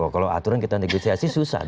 kalau aturan kita negosiasi susah